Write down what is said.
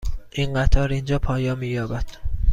این قطار اینجا پایان می یابد.